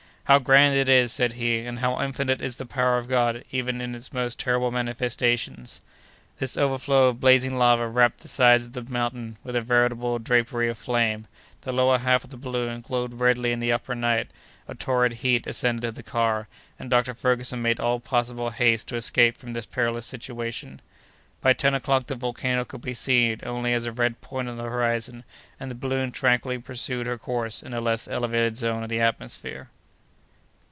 "How grand it is!" said he, "and how infinite is the power of God even in its most terrible manifestations!" This overflow of blazing lava wrapped the sides of the mountain with a veritable drapery of flame; the lower half of the balloon glowed redly in the upper night; a torrid heat ascended to the car, and Dr. Ferguson made all possible haste to escape from this perilous situation. By ten o'clock the volcano could be seen only as a red point on the horizon, and the balloon tranquilly pursued her course in a less elevated zone of the atmosphere.